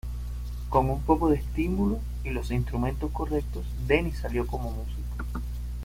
Con un poco de estímulo, y los instrumentos correctos, Dennis salió como músico".